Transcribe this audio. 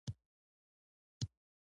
بیزو کولای شي شیان ژر زده کړي.